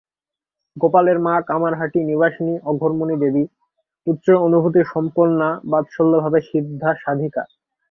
গোপালের মা কামারহাটি-নিবাসিনী অঘোরমণি দেবী, উচ্চ-অনুভূতিসম্পন্না বাৎসল্যভাবে সিদ্ধা সাধিকা।